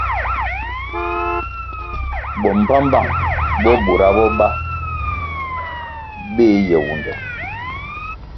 Bo mbpambpang bo bura bo ba beh Yewunde.